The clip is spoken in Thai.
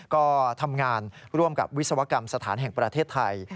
ก็ทำงานร่วมกับวิศวกรรมสถานแห่งประเทศไทย